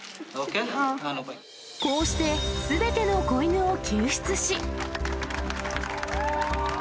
こうしてすべての子犬を救出し。